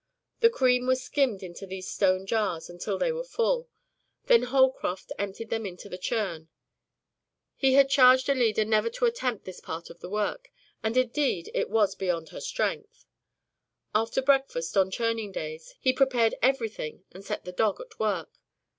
The cream was skimmed into these stone jars until they were full, then Holcroft emptied them into the churn. He had charged Alida never to attempt this part of the work, and indeed it was beyond her strength. After breakfast on churning days, he prepared everything and set the dog at work.